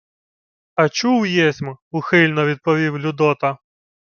— А чув єсмь, — ухильно відповів Людота.